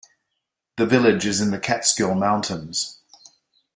The village is in the Catskill Mountains.